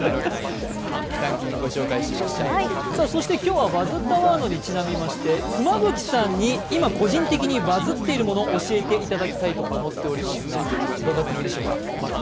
そして今日は「バズったワード」にちなみまして、妻夫木さんに今個人的にバズっているものを教えていただきたいと思っておりますが伺ってもいいでしょうか。